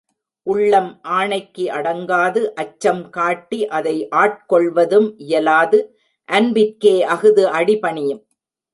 உள்ளம் ஆணைக்கு அடங்காது அச்சம் காட்டி அதை ஆட்கொள்வதும் இயலாது அன்பிற்கே அஃது அடிபணியும்.